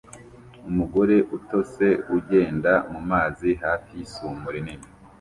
Umugore utose ugenda mumazi hafi yisumo rinini